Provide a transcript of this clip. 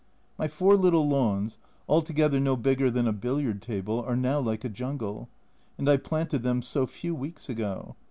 My four little lawns, altogether no bigger than a billiard table, are now like a jungle, and I planted them so few weeks ago.